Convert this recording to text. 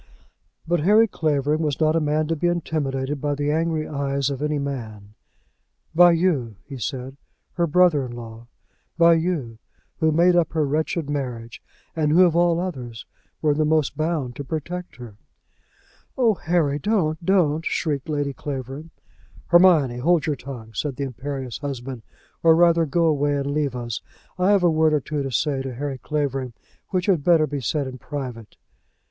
But Harry Clavering was not a man to be intimidated by the angry eyes of any man. "By you," he said, "her brother in law; by you, who made up her wretched marriage, and who, of all others, were the most bound to protect her." "Oh, Harry, don't, don't!" shrieked Lady Clavering. "Hermione, hold your tongue," said the imperious husband; "or, rather, go away and leave us. I have a word or two to say to Harry Clavering, which had better be said in private."